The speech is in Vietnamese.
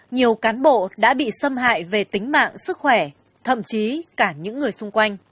nhiều cán bộ đã bị xâm hại về tính mạng sức khỏe thậm chí cả những người xung quanh